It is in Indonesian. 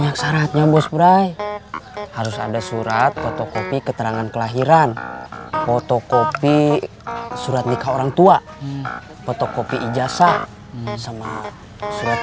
yang belle notice inis dia aja nih